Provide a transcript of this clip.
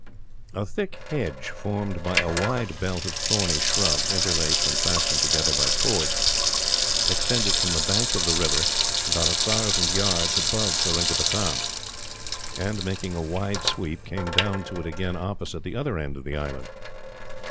A thick hedge, formed by a wide belt of thorny shrubs, interlaced and fastened together by cords, extended from the bank of the river, about a thousand yards above Seringapatam; and, making a wide sweep, came down to it again opposite the other end of the island.